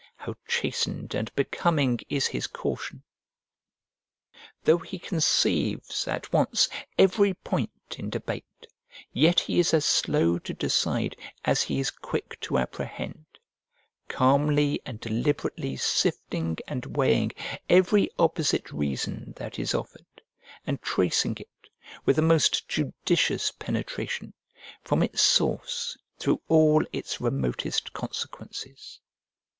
how chastened and becoming is his caution! Though he conceives, at once, every point in debate, yet he is as slow to decide as he is quick to apprehend; calmly and deliberately sifting and weighing every opposite reason that is offered, and tracing it, with a most judicious penetration, from its source through all its remotest consequences.